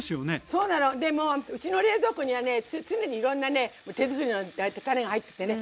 そうなのでもうちの冷蔵庫にはね常にいろんなね手作りのたれが入っててね